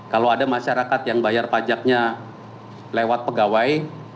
kalau ada masyarakat yang bayar pajaknya lewat pegawai